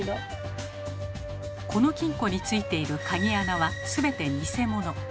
この金庫についている鍵穴は全てニセモノ。